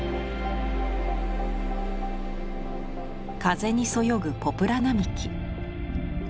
風にそよぐポプラ並木。